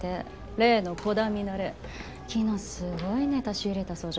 例の鼓田ミナレ昨日すごいネタ仕入れたそうじゃない。